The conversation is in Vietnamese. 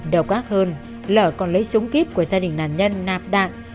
đầu quát hơn lỡ còn lấy súng kiếp của gia đình nạn nhân nạp đạn